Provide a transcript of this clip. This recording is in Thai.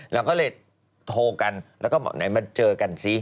เราก็เลยโทรกันแล้วก็บอกไหนมาเจอกันสิ